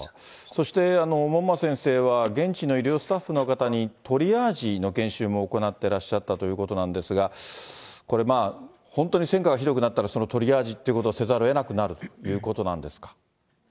そして門馬先生は現地の医療スタッフの方にトリアージの研修も行ってらっしゃったということなんですが、これ、本当に戦禍がひどくなったら、そのトリアージということをせざるをえなくなるということなんですか。